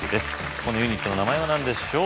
このユニットの名前は何でしょう